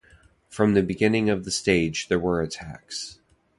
From the beginning of the stage there were attacks.